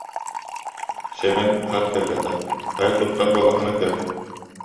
Сэмэн хат кэлбэтэх: «Хайа тустар буоллаххына кэл»